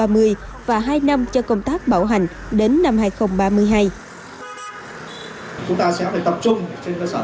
so với tuyến micro số một